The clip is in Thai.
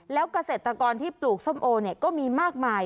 แล้วเกษตรกรที่ปลูกส้มโอเนี่ยก็มีมากมาย